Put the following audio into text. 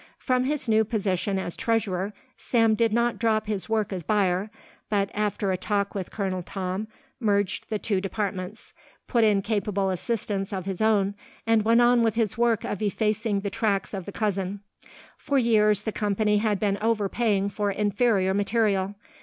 From his new position as treasurer Sam did not drop his work as buyer, but, after a talk with Colonel Tom, merged the two departments, put in capable assistants of his own, and went on with his work of effacing the tracks of the cousin. For years the company had been overpaying for inferior material.